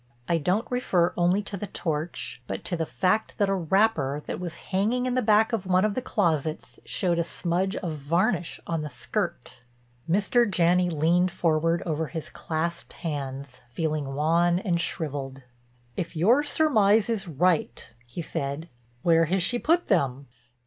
I don't refer only to the torch, but to the fact that a wrapper that was hanging in the back of one of the closets showed a smudge of varnish on the skirt." Mr. Janney leaned forward over his clasped hands, feeling wan and shriveled. "If your surmise is right," he said, "where has she put them?"